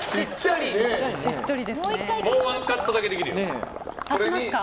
もう１カットだけできるよ。